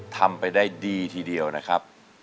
ทำไปได้ดีทีเดียวนะครับ